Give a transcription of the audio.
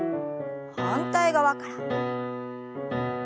反対側から。